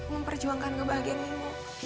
memperjuangkan kebahagiaan mimo